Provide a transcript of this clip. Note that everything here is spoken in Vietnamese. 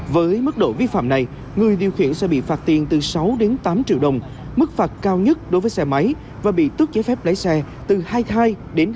với mức độ vi phạm này người điều khiển sẽ bị phạt tiền từ sáu đến tám triệu đồng mức phạt cao nhất đối với xe máy và bị tước giấy phép lấy xe từ hai thai đến hai mươi